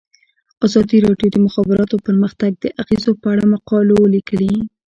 ازادي راډیو د د مخابراتو پرمختګ د اغیزو په اړه مقالو لیکلي.